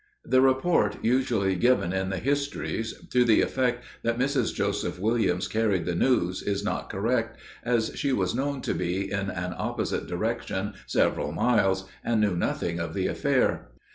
The report usually given in the histories to the effect that Mrs. Joseph Williams carried the news is not correct, as she was known to be in an opposite direction several miles, and knew nothing of the affair.